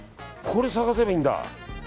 これ探せばいいんだ。